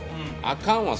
あかんわ！